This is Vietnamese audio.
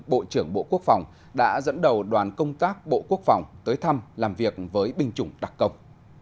bộ trưởng bộ quốc phòng đã dẫn đầu đoàn công tác bộ quốc phòng tới thăm làm việc với binh chủng đặc công